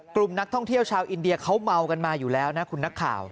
กลุ่มนักท่องเที่ยวชาวอินเดียเขาเมากันมาอยู่แล้วนะคุณนักข่าว